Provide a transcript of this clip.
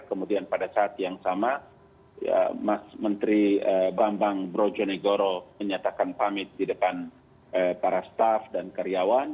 kemudian pada saat yang sama mas menteri bambang brojonegoro menyatakan pamit di depan para staff dan karyawan